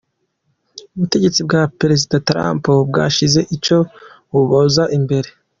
Ubutegetsi bwa prezida Trump bwashize ico kibazo imbere.